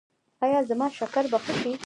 ایا زما شکر به ښه شي؟